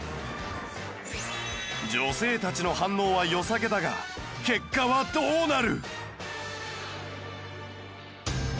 女性たちの反応は良さげだが結果はどうなる？